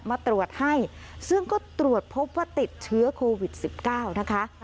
มาตรวจให้ซึ่งก็ตรวจพบว่าติดเชื้อโควิด๑๙นะคะ